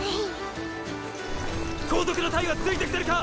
後続の隊はついてきてるか！